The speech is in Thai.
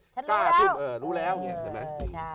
ฉันรู้แล้วรู้แล้วใช่ไหมใช่